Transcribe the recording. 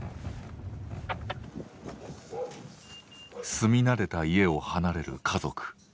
住み慣れた家を離れる家族。